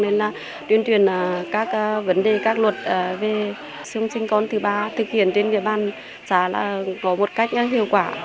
nên là tuyên truyền các vấn đề các luật về xương sinh con thứ ba thực hiện trên địa bàn xã có một cách hiệu quả